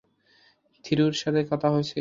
থিরুর সাথে কথা হয়েছে?